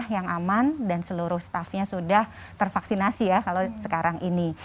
yang aman dan seluruh staffnya sudah tervaksinasi ya kalau sekarang ini